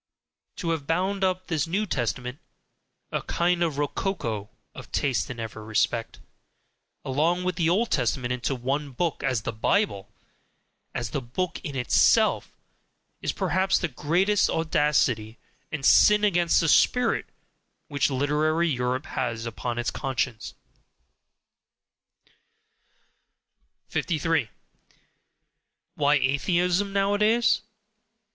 To have bound up this New Testament (a kind of ROCOCO of taste in every respect) along with the Old Testament into one book, as the "Bible," as "The Book in Itself," is perhaps the greatest audacity and "sin against the Spirit" which literary Europe has upon its conscience. 53. Why Atheism nowadays?